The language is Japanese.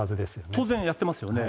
当然やってますよね。